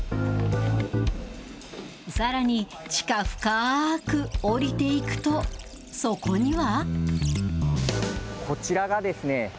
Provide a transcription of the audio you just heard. さらに、地下深く下りていくと、そこには。